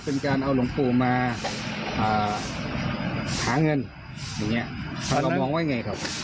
จะเป็นการเอาหลวงปู่มาถามเงินแบบนี้เรามองไว้ไงครับ